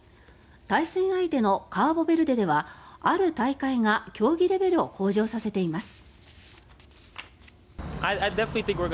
対戦相手のカーボベルデではある大会が競技レベルを向上させています。